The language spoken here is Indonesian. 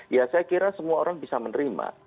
ya saya kira semua orang bisa menerima